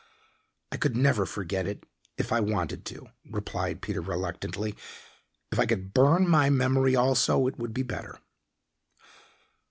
"I could never forget it if I wanted to," replied Peter reluctantly. "If I could burn my memory also it would be better."